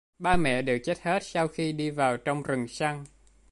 Ba mẹ đều chết hết sau khi đi vào trong rừng săn